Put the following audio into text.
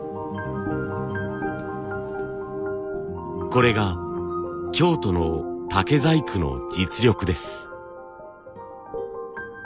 これが京都の竹細工の実力です。